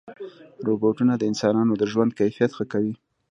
روبوټونه د انسانانو د ژوند کیفیت ښه کوي.